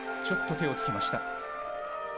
ちょっと手をつきました。